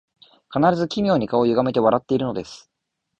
必ず奇妙に顔をゆがめて笑っているのです